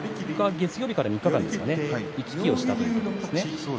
月曜日から３日間行き来をしたということですね。